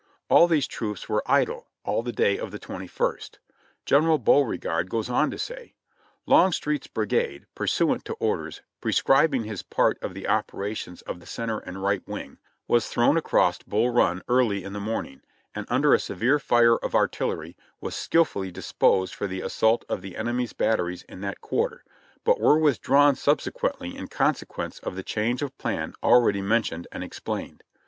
All these troops were idle all the day of the 21st. General Beauregard goes on to say : ■'Longstreet's brigade, pursuant to orders, prescribing his part of the operations of the center and right wing, was thrown across Bull Run early in the morning, and under a severe fire of artillery, v\'as skilfully disposed for the assault of the enemy's batteries in that quarter, but were withdrawn subsequently in consequence of the change of plan already mentioned and explained.